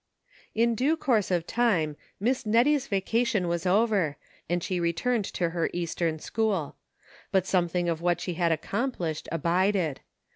In due course of time. Miss Nettie's vacation was over, and she returned to her Eastern school ; but something of what she had accomplished abided.